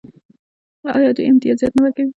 آیا دوی امتیازات نه ورکوي؟